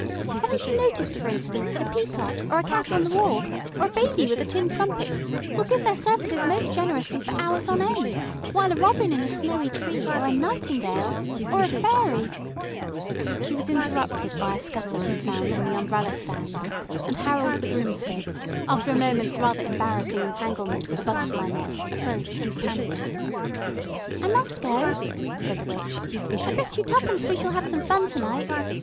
Haven't you noticed, for instance, that a peacock, or a cat on the wall, or a baby with a tin trumpet, will give their services most generously for hours on end, while a robin on a snowy tree, or a nightingale, or a fairy " She was interrupted by a scuffling sound in the umbrella stand, and Harold the Broomstick, after a moment's rather embarrassing entanglement with a butterfly net, approached, panting. "I must go," said the witch. "I bet you twopence we shall have some fun to night.